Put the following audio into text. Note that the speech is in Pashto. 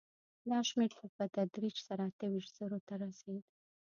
دا شمېر په تدریج سره اته ویشت زرو ته ورسېد